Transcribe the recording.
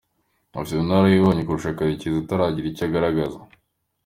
Afite ubunararibonye kurusha Karekezi utaragira icyo agaragaza.